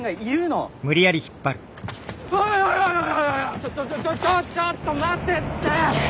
ちょちょちょちょっと待てって！